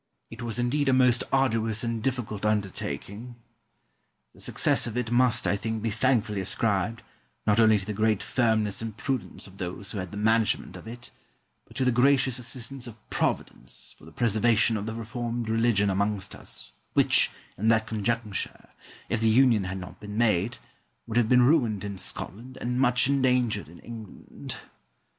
It was indeed a most arduous and difficult undertaking. The success of it must, I think, be thankfully ascribed, not only to the great firmness and prudence of those who had the management of it, but to the gracious assistance of Providence for the preservation of the reformed religion amongst us, which, in that conjuncture, if the union had not been made, would have been ruined in Scotland and much endangered in England.